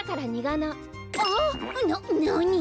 ななに？